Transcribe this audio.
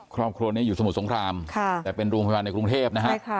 ครอบครัวนี้อยู่สมุทรสงครามแต่เป็นโรงพยาบาลในกรุงเทพนะฮะ